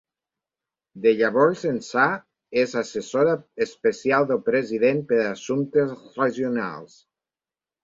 De llavors ençà, és assessora especial del president per a assumptes regionals.